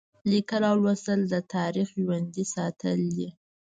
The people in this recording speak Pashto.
لیکل او لوستل د تاریخ ژوندي ساتل دي.